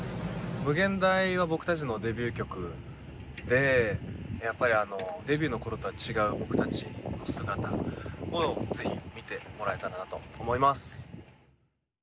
「無限大」は僕たちのデビュー曲でやっぱりデビューの頃とは違う僕たちの姿を是非見てもらえたらなと思います。